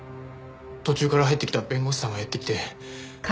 途中から入ってきた弁護士さんがやって来て。